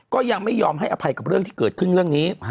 ก็ยังไม่ยอมให้อภัยกับเรื่องที่เกิดขึ้นเรื่องนี้